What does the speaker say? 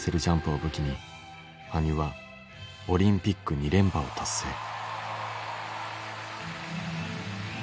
ジャンプを武器に羽生はオリンピック２連覇を達成。